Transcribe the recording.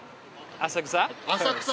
浅草！